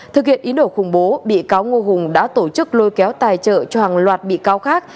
thực hiện ý đồ khủng bố bị cáo ngô hùng đã tổ chức lôi kéo tài trợ cho hàng loạt bị cáo khác